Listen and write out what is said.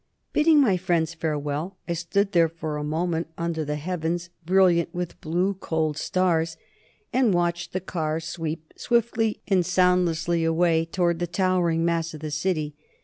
Bidding my friends farewell, I stood there for a moment under the heavens, brilliant with blue, cold stars, and watched the car sweep swiftly and soundlessly away towards the towering mass of the city.